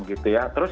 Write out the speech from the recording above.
jadi mas leo